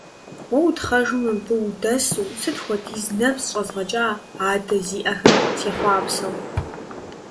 Уэ утхъэжу мыбы удэсу, сыт хуэдиз нэпс щӀэзгъэкӀа адэ зиӀэхэм сехъуапсэу.